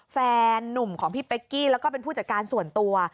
แฟนนุ่มของพี่เป๊กกี้แล้วก็เป็นผู้จัดการส่วนตัว